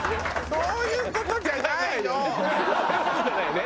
そういう事じゃないね。